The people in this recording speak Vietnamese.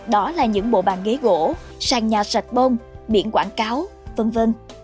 đó là những bộ bàn ghế gỗ sàn nhà sạch bông biển quảng cáo v v